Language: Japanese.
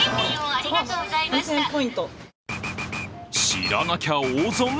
知らなきゃ大損？